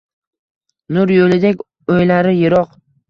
Nur yo’lidek o’ylari yiroq